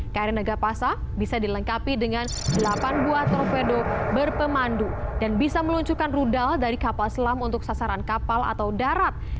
kri nagapasa bisa dilengkapi dengan delapan buah torpedo berpemandu dan bisa meluncurkan rudal dari kapal selam untuk sasaran kapal atau darat